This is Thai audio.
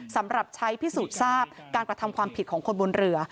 สำหรับใช้พิสูจน์ทราบการกระทำความผิดของคนบนเรือ